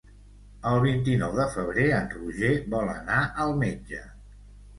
El vint-i-nou de febrer en Roger vol anar al metge.